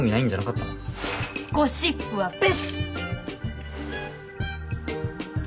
ゴシップは別！